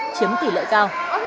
chiếm tỷ lợi cao